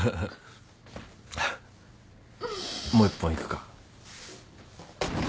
もう一本いくか。